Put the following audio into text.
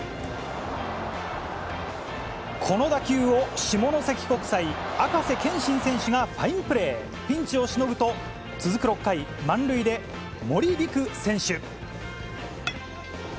この打球を、下関国際、赤瀬健心選手がファインプレー、ピンチをしのぐと、続く６回、満塁で、森凜琥選手。